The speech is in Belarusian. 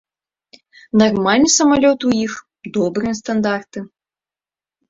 Нармальны самалёт у іх, добрыя стандарты.